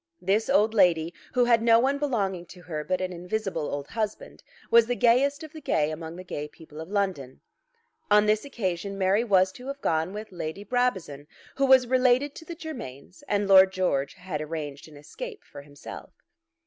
This old lady, who had no one belonging to her but an invisible old husband, was the gayest of the gay among the gay people of London. On this occasion Mary was to have gone with Lady Brabazon, who was related to the Germains, and Lord George had arranged an escape for himself.